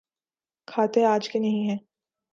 کھاتے آج کے نہیں ہیں۔